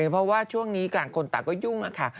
เพราะว่าช่วงนี้ต่างคนต่างก็ยุ่งค่ะ